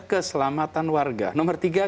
keselamatan warga nomor tiga